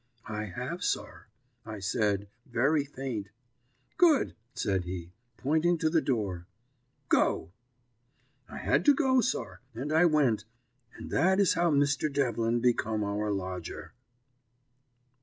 "'I have, sir,' I said, very faint. "'Good,' said he, pointing to the door. 'Go.' "I had to go, sir, and I went, and that is how Mr. Devlin become our lodger."